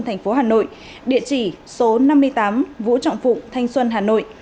tp hà nội địa chỉ số năm mươi tám vũ trọng phụng thanh xuân hà nội